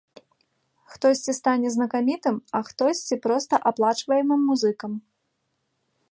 Хтосьці стане знакамітым, а хтосьці проста аплачваемым музыкам.